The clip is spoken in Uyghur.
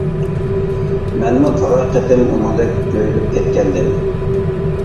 مەنمۇ تالاي قېتىم ئۇنىڭدەك جۆيلۈپ كەتكەنىدىم.